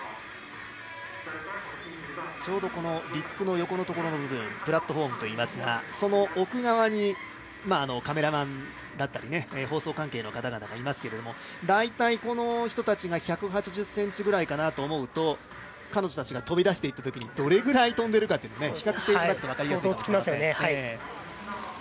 ちょうどリップの横の部分プラットホームといいますがその奥側に、カメラマンだったり放送関係の方々がいますけども大体、この人たちが１８０ｃｍぐらいかなと思うと彼女たちが飛び出していったときどれぐらいとんでいるか比較していただけると分かりやすいかと思います。